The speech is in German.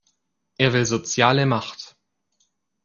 Er will soziale Macht.